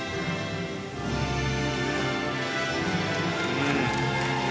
うん！